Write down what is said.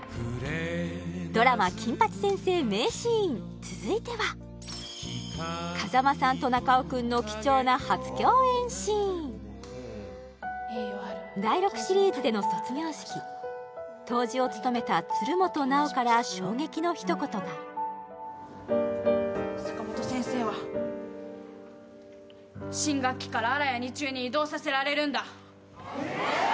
ドラマ「金八先生」名シーン続いては風間さんと中尾くんの貴重な初共演シーン答辞を務めた鶴本直から衝撃の一言が坂本先生は新学期から荒谷二中に異動させられるんだええっ！？